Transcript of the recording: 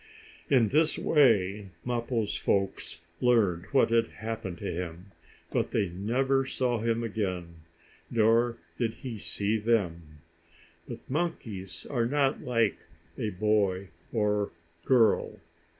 In this way Mappo's folks learned what had happened to him, but they never saw him again, nor did he see them. But monkeys are not like a boy or girl.